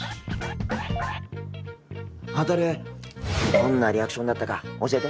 どんなリアクションだったか教えて。